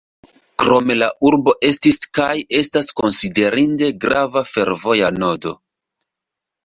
Krome la urbo estis kaj estas konsiderinde grava fervoja nodo.